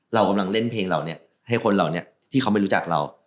เรากำลังเล่นเพลงเราเนี่ยให้คนเราเนี่ยที่เขาไม่รู้จักเรา